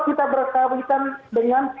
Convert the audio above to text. kita bersahabatan dengan